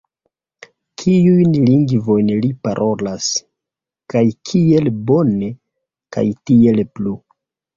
Kiujn lingvojn li parolas kaj kiel bone kaj tiel plu